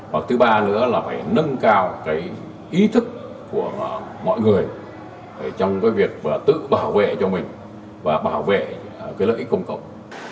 và thứ ba nữa là phải nâng cao cái ý thức của mọi người trong cái việc tự bảo vệ cho mình và bảo vệ cái lợi ích công cộng